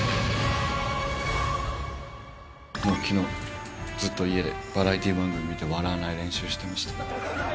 もうきのう、ずっと家で、バラエティー番組見て、笑わない練習をしてました。